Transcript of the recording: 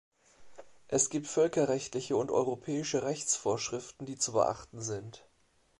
Es gibt völkerrechtliche und europäische Rechtsvorschriften, die zu beachten sind.